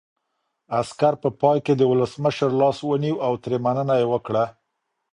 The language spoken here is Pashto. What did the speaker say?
عسکر په پای کې د ولسمشر لاس ونیو او ترې مننه یې وکړه.